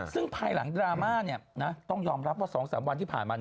ซึ่งภายหลังดราม่าต้องยอมรับว่า๒๓วันที่ผ่านมา